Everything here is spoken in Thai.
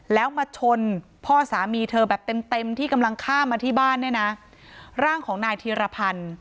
แล้วมาชนพ่อสามีเธอแบบเต็มเต็มที่กำลังข้ามมาที่บ้านเนี่ยนะร่างของนายธีรพันธ์